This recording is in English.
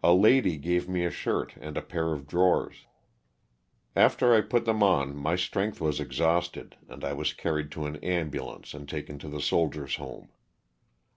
A lady gave me a shirt and a pair of drawers. After I put them on my strength was exhausted and I was carried to an ambu lance and taken to the Soldiers' Home.